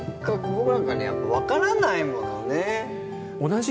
僕なんかには分からないものね。